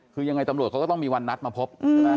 คือยังไงตำรวจก็ต้องมีวันนัดมาพบ